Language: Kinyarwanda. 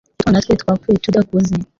utwana twe twapfuye tudakuze